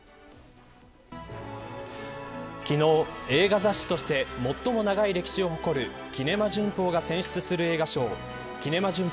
昨日、映画雑誌として最も長い歴史を誇るキネマ旬報が選出する映画賞キネマ旬報